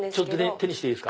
手にしていいですか？